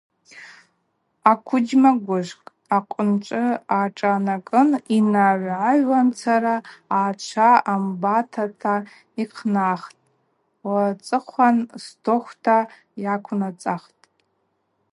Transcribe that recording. Аквыджьма гвыжвкӏтӏ, ахъвынчӏвы ашӏанакӏын йнагӏвгӏагӏвуамцара ачва амбатата йхънаххтӏ, уацӏыхъван стохвта йаквнацӏахтӏ.